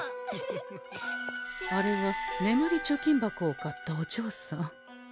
あれは眠り貯金箱を買ったおじょうさん。